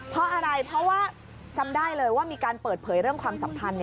เพราะอะไรเพราะว่าจำได้เลยว่ามีการเปิดเผยเรื่องความสัมพันธ์